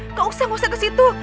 nggak usah nggak usah ke situ